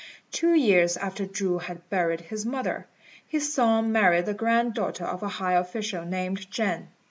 Two years after Chu had buried his mother, his son married the granddaughter of a high official named Jen.